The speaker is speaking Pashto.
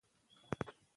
خلک په کوټه کې ناست ول.